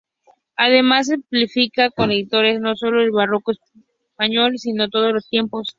Además ejemplifica con escritores no solo del barroco español, sino de todos los tiempos.